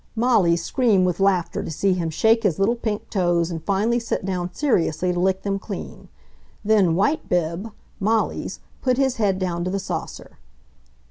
Molly screamed with laughter to see him shake his little pink toes and finally sit down seriously to lick them clean. Then White bib (Molly's) put his head down to the saucer.